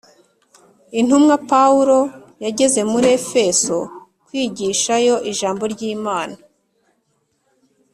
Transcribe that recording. intumwa pawulo yageze muri efeso kwigishayo ijambo ry; imana